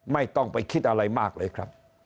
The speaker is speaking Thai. ไม่ต้องไปคิดอะไรมากเลยครับ